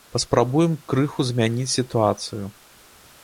Паспрабуем крыху змяніць сітуацыю.